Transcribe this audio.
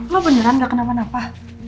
lo beneran gak kenapa napa